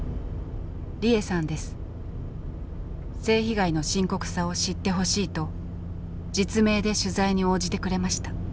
性被害の深刻さを知ってほしいと実名で取材に応じてくれました。